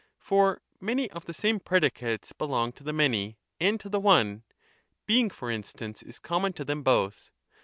For many of the same predicates belong to the Many and to the One ; Being, for instance, is common to them both.